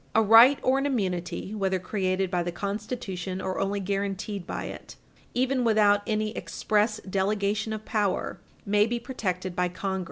A right or an immunity, whether created by the Constitution or only guaranteed by it, even without any express delegation of power, may be protected by Congress.